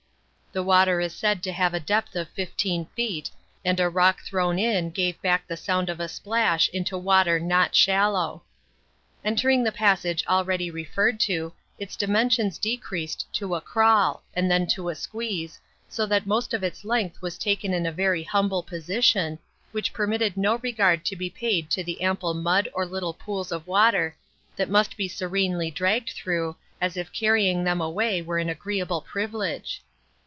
The water is said to have a depth of fifteen feet, and a rock thrown in gave back the sound of a splash into water not shallow. Entering the passage already referred to, its dimensions decreased to a crawl and then to a squeeze, so that most of its length was taken in a very humble position, which permitted no regard to be paid to the ample mud or little pools of water that must be serenely dragged through as if carrying them away were an agreeable privilege.